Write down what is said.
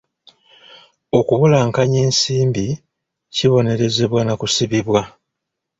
Okubulankanya ensimbi kibonerezebwa na kusibibwa.